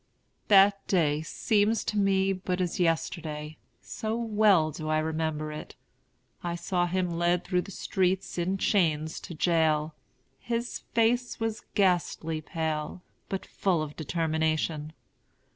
That day seems to me but as yesterday, so well do I remember it. I saw him led through the streets in chains to jail. His face was ghastly pale, but full of determination.